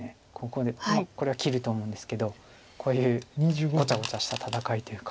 ここでこれは切ると思うんですけどこういうごちゃごちゃした戦いというか。